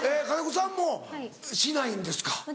金子さんもしないんですか。